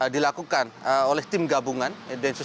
dilakukan oleh tim gabungan densus delapan puluh delapan